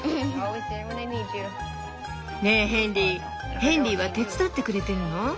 ねえヘンリーヘンリーは手伝ってくれてるの？